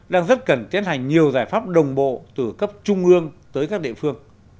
đang rất cần tiến hành nhiều giải pháp đồng bộ từ cấp trung ương tới các địa phương